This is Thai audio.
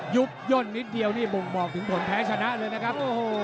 ยุบย่นนิดเดียวนี่บ่งบอกถึงผลแพ้ชนะเลยนะครับ